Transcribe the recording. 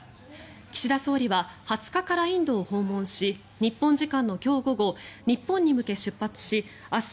岸田総理は２０日からインドを訪問し日本時間の今日午後日本に向け出発し明日